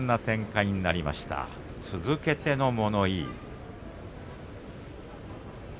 続けての物言いです。